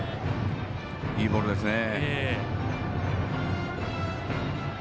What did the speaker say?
いいボールですね。